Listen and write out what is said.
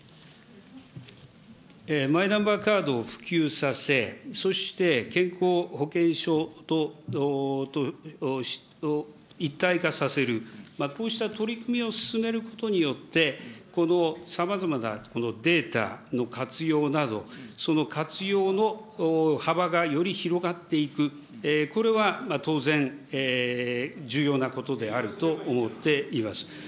マイナンバーカードを普及させ、そして健康保険証と一体化させる、こうした取り組みを進めることによって、さまざまなデータの活用など、その活用の幅がより広がっていく、これは当然、重要なことであると思っています。